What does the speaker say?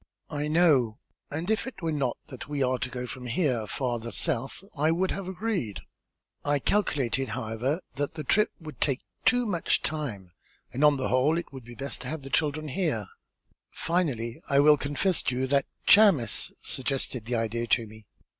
"I know, and if it were not that we are to go from here farther south, I would have agreed. I calculated, however, that the trip would take too much time and on the whole it would be best to have the children here. Finally, I will confess to you that Chamis suggested the idea to me.